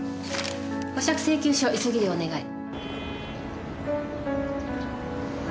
保釈請求書急ぎでお願い。